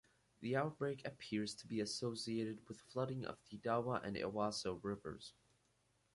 The outbreak appears to be associated with flooding of the Dawa and Ewaso rivers.